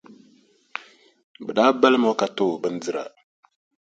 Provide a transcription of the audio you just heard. Bɛ daa balim o ka ti o bindira.